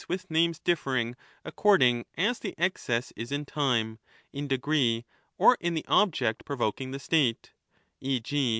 I22I'' ETHICA EUDEMIA names differing according as the excess is in time, in degree, or in the object provoking the state : e. g.